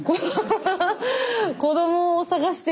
子どもを探して。